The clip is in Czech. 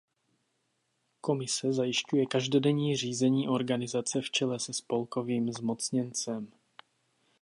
Komise zajišťuje každodenní řízení organizace v čele se spolkovým zmocněncem.